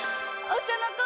お茶の子